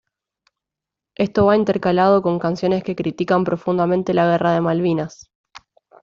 Esto va intercalado con canciones que critican profundamente la guerra de Malvinas.